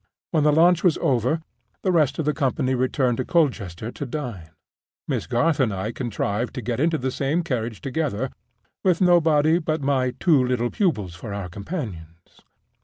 When the launch was over, the rest of the company returned to Colchester to dine. Miss Garth and I contrived to get into the same carriage together, with nobody but my two little pupils for our companions.